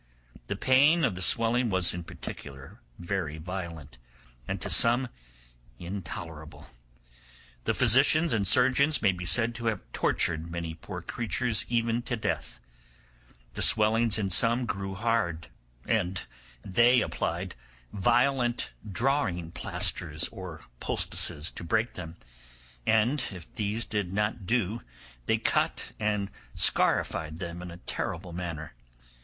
The pain of the swelling was in particular very violent, and to some intolerable; the physicians and surgeons may be said to have tortured many poor creatures even to death. The swellings in some grew hard, and they applied violent drawing plaisters or poultices to break them, and if these did not do they cut and scarified them in a terrible manner.